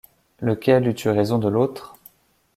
Lequel eût eu raison de l’autre?